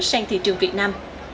sang thị trường việt nam